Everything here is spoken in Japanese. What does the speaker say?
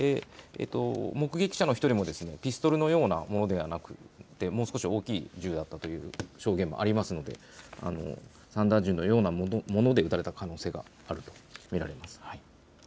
目撃者の１人もピストルのようなものではなくもう少し大きい銃だったという証言もありますので散弾銃のようなもので撃たれた可能性があると見られます。